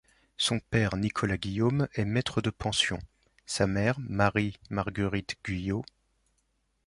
Son père Nicolas Guillaume est maître de pension, sa mère Marie-Marguerite Guyot.